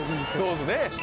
そうですね。